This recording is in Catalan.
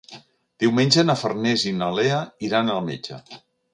Diumenge na Farners i na Lea iran al metge.